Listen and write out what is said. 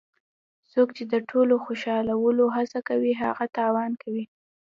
څوک چې د ټولو د خوشحالولو هڅه کوي هغه تاوان کوي.